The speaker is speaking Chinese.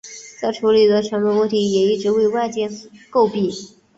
再处理的成本问题也一直为外界诟病。